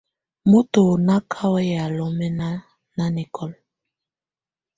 Moto má ká wɛya lɔmɛna nanɛkɔla.